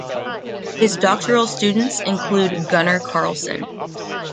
His doctoral students include Gunnar Carlsson.